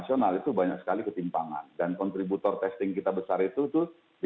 itu banyak sekali ketimpangan dan kontributor testing kita besar itu tuh